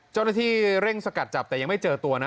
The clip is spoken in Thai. เจ้าหน้าที่เร่งสกัดจับแต่ยังไม่เจอตัวนะ